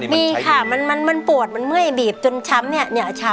มีค่ะมันปวดมื้อยบีบจนช้ำเนี่ย